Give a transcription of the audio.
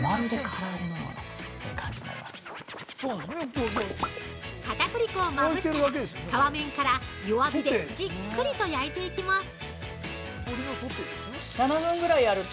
◆かたくり粉をまぶしたら、皮面から、弱火でじっくりと焼いていきます！